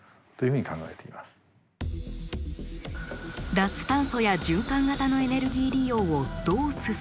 脱炭素や循環型のエネルギー利用をどう進めるのか。